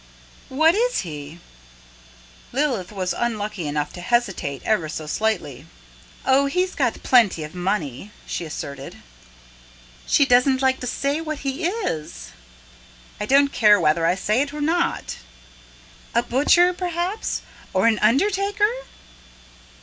"What is he?" Lilith was unlucky enough to hesitate, ever so slightly. "Oh, he's got plenty of money," she asserted. "She doesn't like to say what he is!" "I don't care whether I say it or not." "A butcher, p'raps, or an undertaker?"